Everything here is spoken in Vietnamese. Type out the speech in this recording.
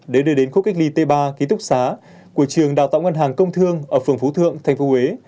để đưa đến khu cách ly t ba ký túc xá của trường đào tạo ngân hàng công thương ở phường phú thượng tp huế